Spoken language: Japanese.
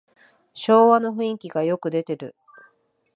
昭和の雰囲気がよく出てる